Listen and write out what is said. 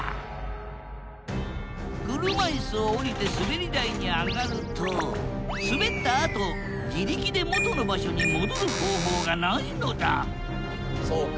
車いすを降りてすべり台に上がるとすべったあと自力で元の場所に戻る方法がないのだそうか。